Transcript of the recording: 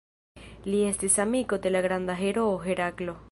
Li estis amiko de granda heroo Heraklo.